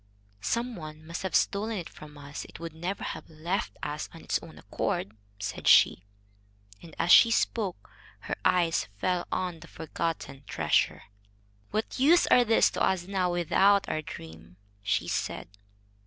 "Some one must have stolen it from us. It would never have left us of its own accord," said she. And, as she spoke, her eyes fell on the forgotten treasure. "What use are these to us now, without our dream?" she said.